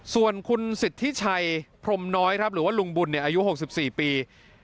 ส่วนคุณสิทธิชัยพรมน้อยครับหรือว่าลุงบุญอายุ๖๔ปี